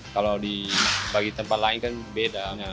kalau dibagi tempat lain kan beda